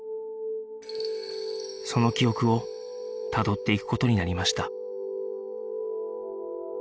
その記憶をたどっていく事になりました